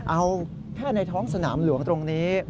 เอาแค่ในท้องสนามหลวงตรงนี้